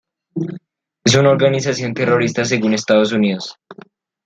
Es una organización terrorista según Estados Unidos.